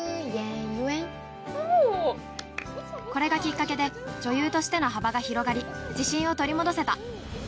これがきっかけで女優としての幅が広がり自信を取り戻せた